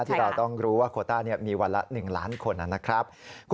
ที่เราต้องรู้ว่าโคต้ามีวันละ๑ล้านคนนะครับ